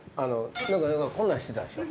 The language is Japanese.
何かこんなんしてたでしょ。